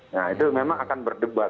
nah itu memang akan berdebat